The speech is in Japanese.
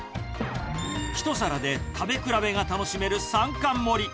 １皿で食べ比べが楽しめる３貫盛り。